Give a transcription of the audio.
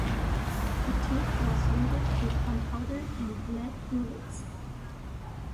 The tube was loaded with gunpowder and lead bullets.